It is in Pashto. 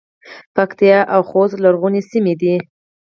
پکتیا او خوست لرغونې سیمې دي